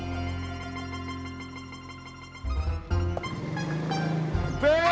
ya qual ini kan gini